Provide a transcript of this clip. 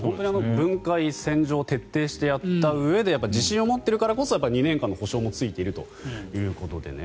分解、洗浄を徹底してやったうえで自信を持っているからこそ２年間の保証もついているということでね